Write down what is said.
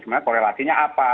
sebenarnya korelasinya apa